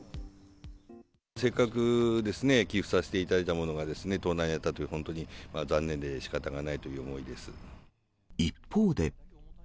せっかく寄付させていただいたものが、盗難に遭ったという、本当に残念でしかたがないという一方で。